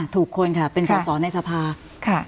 ถูกค้นค่ะเป็นสาวในทรภาค่ะ